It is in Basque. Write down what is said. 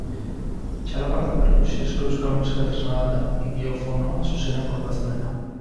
Txalaparta perkusiozko euskal musika tresna bat da, idiofonoa, zuzenean kolpatzen dena.